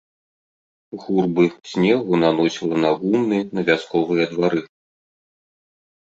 Гурбы снегу наносіла на гумны, на вясковыя двары.